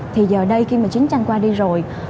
thì giờ đây khi mà chiến tranh qua đi rồi